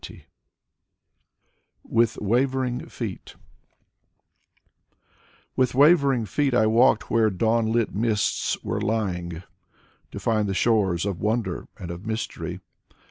52 Vladimir Solovyov a WITH WAVERING FEET" With wavering feet I walked where dawn lit mists were lying, To find the shores of wonder and of mystery.